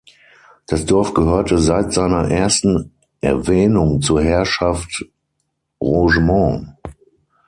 Das Dorf gehörte seit seiner ersten Erwähnung zur Herrschaft Rougemont.